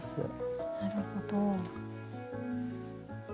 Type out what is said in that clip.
なるほど。